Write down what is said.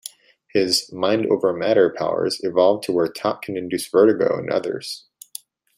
His "mind-over-matter" powers evolve to where Top can induce vertigo in others.